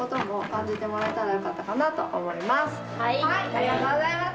ありがとうございます。